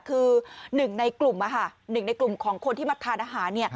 คือหนึ่งในกลุ่มของคนที่มาทานอาหาร